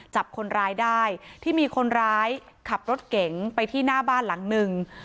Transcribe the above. จับคนร้ายได้ที่มีคนร้ายขับรถเก๋งไปที่หน้าบ้านหลังหนึ่ง